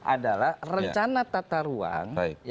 adalah rencana tata ruang